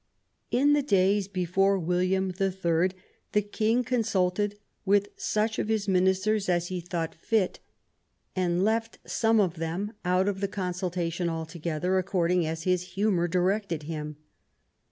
In the days before William the Third the King con sulted with such of his ministers as he thought fit, and 14 WHAT THE QTTEfiN CAME TO— AT HOME left some of them out of the consultation altogether according as his humor directed him.